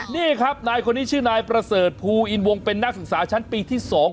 นี่ครับนายคนนี้ชื่อนายประเสริฐภูอินวงเป็นนักศึกษาชั้นปีที่๒